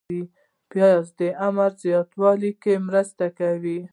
پیاز د عمر زیاتولو کې مرسته کوي